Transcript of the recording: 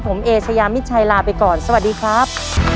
ผมเอเชยามิดชัยลาไปก่อนสวัสดีครับ